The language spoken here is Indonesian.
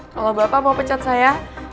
kalau bapak mau pecat saya